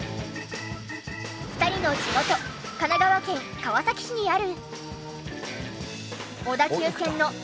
２人の地元神奈川県川崎市にある。